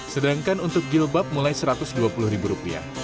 sedangkan untuk jilbab mulai satu ratus dua puluh ribu rupiah